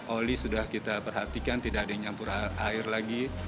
oli sudah kita perhatikan tidak ada yang nyampur air lagi